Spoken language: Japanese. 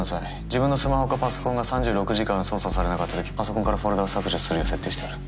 自分のスマホかパソコンが３６時間操作されなかった時パソコンからフォルダを削除するように設定してある。